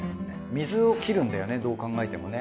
水を切るんだよねどう考えてもね。